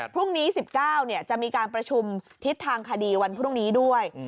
พรุ่งนี้๑๙จะมีการประชุมทิศทางคดีวันพรุ่งนี้ด้วย